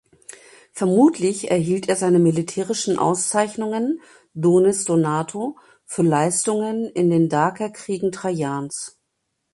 Vermutlich erhielt er seine militärischen Auszeichnungen ("donis donato") für Leistungen in den Dakerkriegen Trajans.